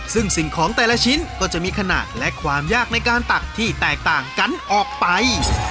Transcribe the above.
ซึ่งสิ่งของแต่ละชิ้นก็จะมีขนาดและความยากในการตักที่แตกต่างกันออกไป